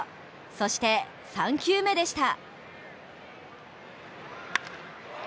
そして３球目でした。